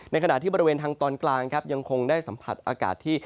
ขณะที่บริเวณทางตอนกลางครับยังคงได้สัมผัสอากาศที่